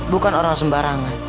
bukan orang sembarangan